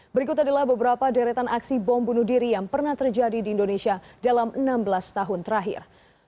berikut adalah beberapa deretan aksi bom bunuh diri yang pernah terjadi di indonesia dalam enam belas tahun terakhir